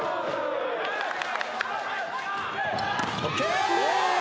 ・ＯＫ！